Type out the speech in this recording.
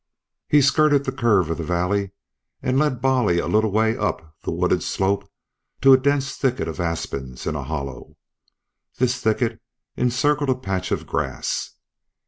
He skirted the curve of the valley and led Bolly a little way up the wooded slope to a dense thicket of aspens in a hollow. This thicket encircled a patch of grass.